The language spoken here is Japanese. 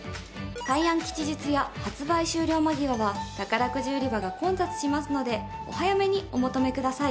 大安吉日や発売終了間際は宝くじ売り場が混雑しますのでお早めにお求めください。